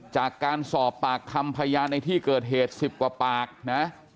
จากการสอบปากคำพยานในที่เกิดเหตุ๑๐กว่าปากนะ